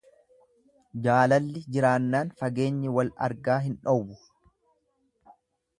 Jaalalli jiraannaan fageenyi wal argaa hin dhowwu.